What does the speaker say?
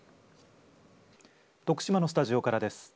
徳島のスタジオからです。